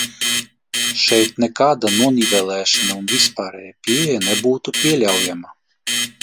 Šeit nekāda nonivelēšana un vispārēja pieeja nebūtu pieļaujama.